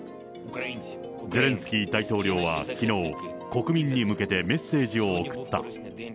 ゼレンスキー大統領はきのう、国民に向けてメッセージを送った。